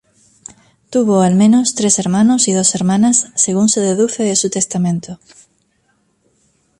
Tuvo al menos tres hermanos y dos hermanas según se deduce de su testamento.